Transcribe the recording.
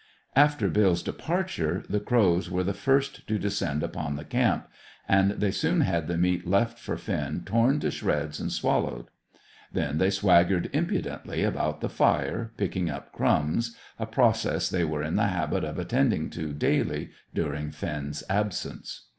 After Bill's departure, the crows were the first to descend upon the camp; and they soon had the meat left for Finn torn to shreds and swallowed. Then they swaggered impudently about the fire, picking up crumbs, a process they were in the habit of attending to daily during Finn's absence.